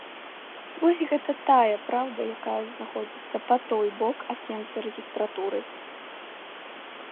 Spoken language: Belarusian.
Вось гэта тая праўда, якая знаходзіцца па той бок акенца рэгістратуры.